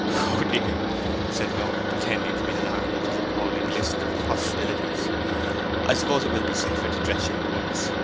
'Oh, dear!' said Nora, pretending to be alarmed at this appalling list of possibilities. 'I suppose it will be safer to dress you at once.